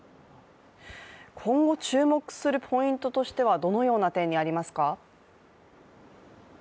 今後注目するポイントとしては、どのような点にありますか？